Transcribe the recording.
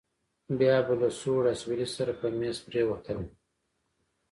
بيا به له سوړ اسويلي سره په مېز پرېوتله.